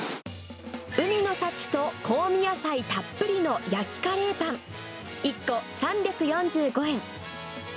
海の幸と香味野菜たっぷりの焼きカレーパン１個３４５円。